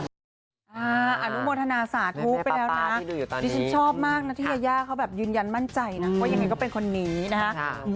อนุโมทนาสาธุไปแล้วนะดิฉันชอบมากนะที่ยายาเขาแบบยืนยันมั่นใจนะว่ายังไงก็เป็นคนนี้นะฮะ